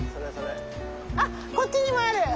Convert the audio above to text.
あっこっちにもある！